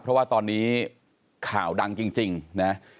เพราะว่าตอนนี้ข่าวดังจริงนะ